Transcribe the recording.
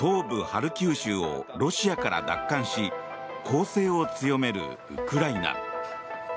ハルキウ州をロシアから奪還し攻勢を強めるウクライナ。